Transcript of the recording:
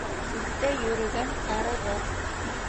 Ситтә йөрөгән тарығыр